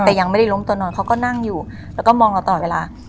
แต่ยังไม่ได้ล้มตัวนอนเขาก็นั่งอยู่แล้วก็มองเราตลอดเวลา